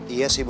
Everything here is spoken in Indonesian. iya sih bu